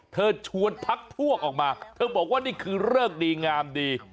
เธอชวนพักพวกออกมาเธอบอกว่านี่คือเลิกดีงามดี